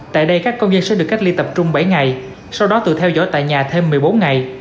tại đây các công dân sẽ được cách ly tập trung bảy ngày sau đó tự theo dõi tại nhà thêm một mươi bốn ngày